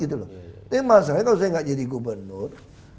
tapi masalahnya kalau saya nggak jadi gubernur